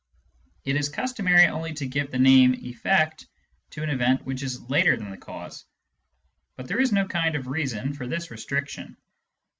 It is customary only to give the name " efFect " to an event which is later than the cause, but there is no kind of reason for this restric tion.